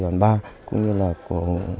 trung đoàn ba cũng như là của huyện ủy